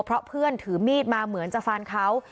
เพราะเพื่อนถือมีดมาเหมือนจะฟันเขา